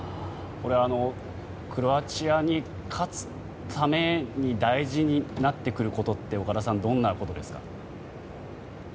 クロアチアに勝つために大事になってくることって岡田さん、どんなことですか？